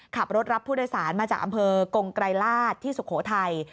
ขับรถรับผู้โดยสารมาจากอำเภอกงไกรลาศที่สุโขทัย